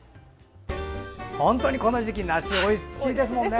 本当にこの時期梨おいしいですよね。